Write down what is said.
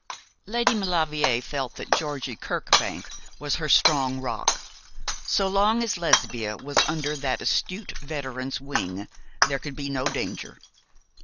Lady Maulevrier felt that Georgie Kirkbank was her strong rock. So long as Lesbia was under that astute veteran's wing there could be no danger.